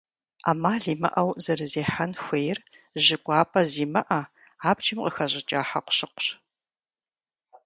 Ӏэмал имыӏэу зэрызехьэн хуейр жьы кӏуапӏэ зимыӏэ, абджым къыхэщӏыкӏа хьэкъущыкъущ.